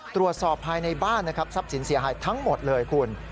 ตรวจสอบภายในบ้านนะครับทั้งหมดเลยคุณ